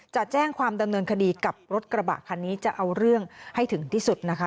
จะแจ้งความดำเนินคดีกับรถกระบะคันนี้จะเอาเรื่องให้ถึงที่สุดนะคะ